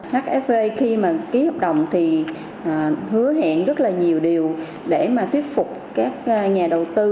hfv khi mà ký hợp đồng thì hứa hẹn rất là nhiều điều để mà thuyết phục các nhà đầu tư